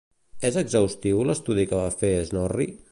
És exhaustiu l'estudi que va fer Snorri?